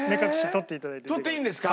取っていいんですか？